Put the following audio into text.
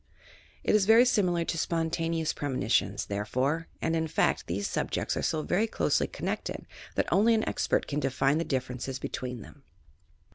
It is very similar to spontaneous premonitions, therefore ; and, in fact, these subjects are so very closely connected that only an expert can define the differences between them.